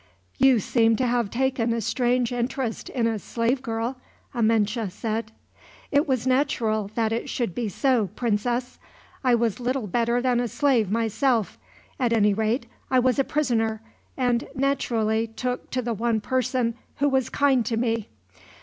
"You seem to have taken a strange interest in a slave girl!" Amenche said. "It was natural that it should be so, Princess. I was little better than a slave, myself. At any rate I was a prisoner, and naturally took to the one person who was kind to me.